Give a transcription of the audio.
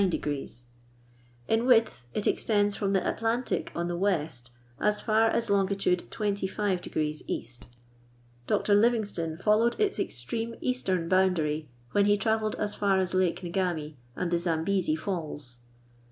In width, it extends from the Atlantic on the west as far as long. 25° E. Dr. Livingstone followed its extreme eastern boundary when he travelled as far as Lake Ngami and the Zambesi Falls.